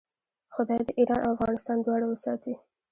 خدای دې ایران او افغانستان دواړه وساتي.